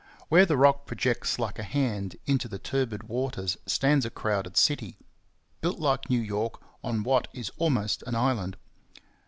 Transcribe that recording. Where the rock projects like a hand into the turbid waters stands a crowded city, built like New York on what is almost an island.